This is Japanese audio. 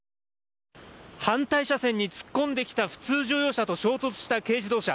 反対車線に突っ込んできた普通乗用車と衝突した軽自動車。